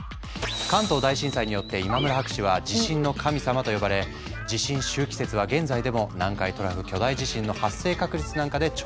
関東大震災によって今村博士は「地震の神様」と呼ばれ地震周期説は現在でも南海トラフ巨大地震の発生確率なんかで重宝されているんだ。